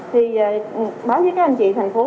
thì báo với các anh chị thành phố